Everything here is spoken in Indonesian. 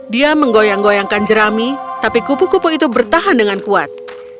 dia menggoyang goyangkan jerami tapi kupu kupu itu bertahan dengan kuat